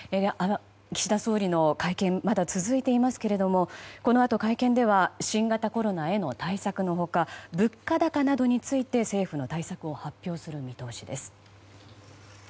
岸田総理の会見はまだ続いていますけれどもこのあと会見では新型コロナへの対策の他物価高などについて政府の対策を発表する見通しです。